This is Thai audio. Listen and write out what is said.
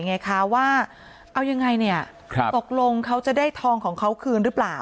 ไงคะว่าเอายังไงเนี่ยตกลงเขาจะได้ทองของเขาคืนหรือเปล่า